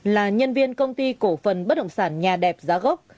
là nhân viên công ty cổ phần bất động sản nhà đẹp giá gốc